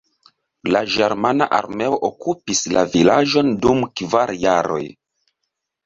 La ĝermana armeo okupis la vilaĝon dum kvar jaroj.